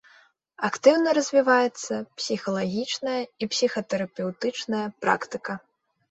Актыўна развіваецца псіхалагічная і псіхатэрапеўтычная практыка.